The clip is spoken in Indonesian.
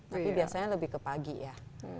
tapi biasanya lebih ke pagi ya